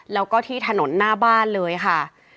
แล้วก็ที่ถนนหน้าบ้านเลยค่ะ